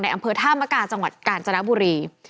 อำเภอธามกาจังหวัดกาญจนบุรี